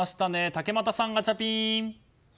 竹俣さん、ガチャピン！